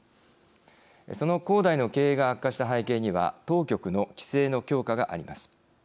その恒大の経営が悪化した背景には当局の規制の強化があります。